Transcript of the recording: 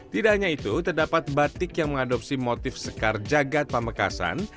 tidak hanya itu terdapat batik yang mengadopsi motif sekar jagad pamekasan